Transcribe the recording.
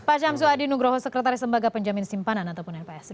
pak syamsu adi nugroho sekretaris lembaga penjamin simpanan ataupun npsi